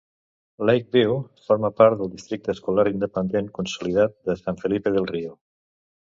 Lake View forma part del districte escolar independent consolidat de San Felipe del Rio.